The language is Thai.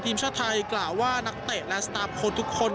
ทีมชาติไทยกล่าวว่านักเตะและสตาร์ฟโค้ดทุกคน